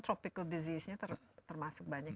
tropical disease nya termasuk banyak